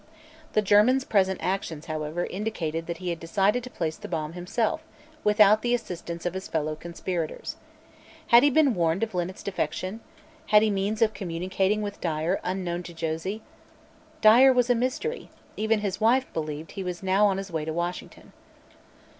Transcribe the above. The German's present actions, however, indicated that he had decided to place the bomb himself, without the assistance of his fellow conspirators. Had he been warned of Linnet's defection? Had he means of communicating with Dyer unknown to Josie? Dyer was a mystery; even his wife believed he was now on his way to Washington.